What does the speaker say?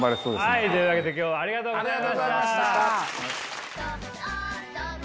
はいというわけで今日はありがとうございました。